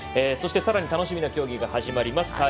そしてさらに楽しみな競技が始まります。